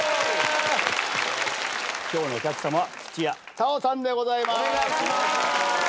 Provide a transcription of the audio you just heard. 今日のお客さまは土屋太鳳さんでございます。